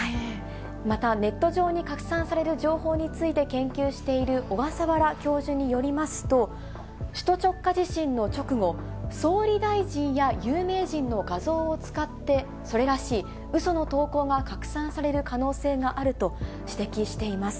また、ネット上に拡散される情報について研究している小笠原教授によりますと、首都直下地震の直後、総理大臣や有名人の画像を使って、それらしいうその投稿が拡散される可能性があると指摘しています。